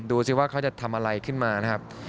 ดูสิว่าเขาจะทำอะไรขึ้นมานะครับ